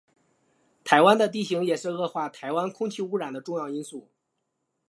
台湾的地形也是恶化台湾空气污染的重要因素。